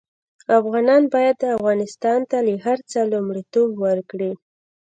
افغانان باید افغانستان ته له هر څه لومړيتوب ورکړي